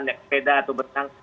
naik sepeda atau berenang